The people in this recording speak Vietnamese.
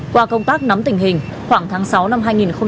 qua công tác nắm tình hình khoảng tháng sáu năm hai nghìn một mươi tám